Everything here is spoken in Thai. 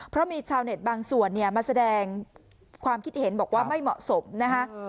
เพราะมีชาวเน็ตบางส่วนเนี่ยมาแสดงความคิดเห็นบอกว่าไม่เหมาะสมนะฮะ